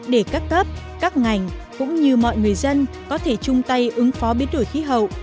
để các cấp các ngành cũng như mọi người dân có thể chung tay ứng phó biến đổi khí hậu